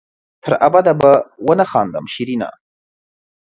تر ابده به ونه خاندم شېرينه